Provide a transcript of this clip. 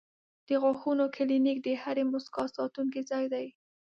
د غاښونو کلینک د هرې موسکا ساتونکی ځای دی.